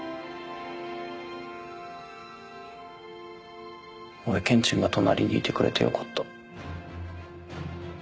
俺ケンチンが隣にいてくれてよかった。